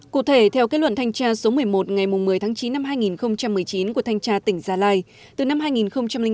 cụ thể theo kết luận thanh tra số một mươi một ngày một mươi tháng chín năm hai nghìn một mươi chín của thanh tra tỉnh gia lai